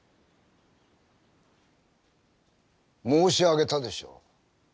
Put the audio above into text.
申し上げたでしょう。